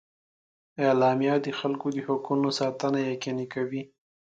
اعلامیه د خلکو د حقونو ساتنه یقیني کوي.